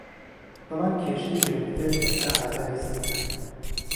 بەڵام کیشەی گرنگتر ئێستا ئازاری سنگه